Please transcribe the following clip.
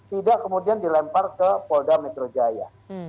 tidak kemudian dilempar ke polda metro jaya